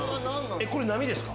これ並ですか？